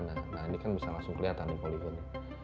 nah ini kan bisa langsung kelihatan di polikon